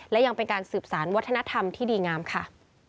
และยังเป็นการสืบสารวัฒนธรรมที่ดีงามค่ะ